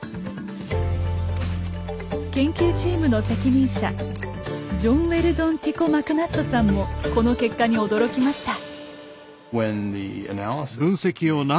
研究チームの責任者ジョン・ウェルドン・ティコ・マクナットさんもこの結果に驚きました。